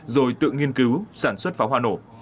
rồi tự nghiên cứu sản xuất pháo hoa nổ